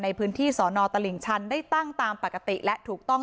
ในพื้นที่สอนอตลิ่งชันได้ตั้งตามปกติและถูกต้อง